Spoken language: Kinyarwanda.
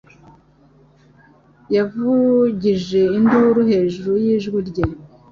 Yavugije induru hejuru y'ijwi rye.